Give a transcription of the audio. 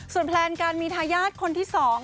ส่วนแปลนการมีท้ายาศคนที่สอง